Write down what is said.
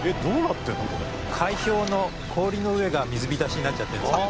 海氷の氷の上が水浸しになっちゃってるんですよ。